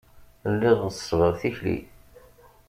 Lliɣ ɣeṣṣbeɣ tikli.